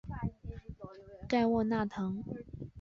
盖沃纳滕。